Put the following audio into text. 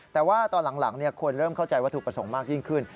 แต่ว่าตอนหลังคนเริ่มเข้าใจวัตถุประสงค์มากยิ่งขึ้น